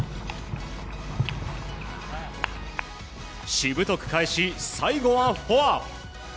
しぶとく返し、最後はフォア！